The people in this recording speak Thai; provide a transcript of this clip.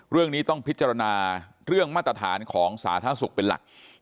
เรื่องนี้ต้องพิจารณาเรื่องมาตรฐานของสาธารณสุขเป็นหลัก